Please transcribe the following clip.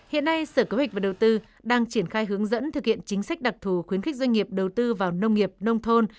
hiện nay sở kế hoạch và đầu tư đang triển khai hướng dẫn thực hiện chính sách đặc thù khuyến khích doanh nghiệp đầu tư vào nông nghiệp nông thôn